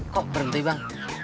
kok berhenti bang